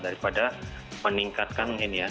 daripada meningkatkan ini ya